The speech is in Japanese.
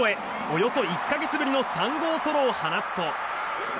およそ１か月ぶりの３号ソロを放つと。